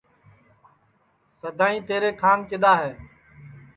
سدائیں تیرے کھانگ کدؔا ہے